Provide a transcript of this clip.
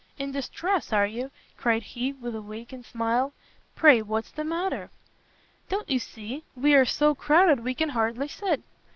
"In distress, are you?" cried he, with a vacant smile, "pray, what's the matter?" "Don't you see? we are so crowded we can hardly sit."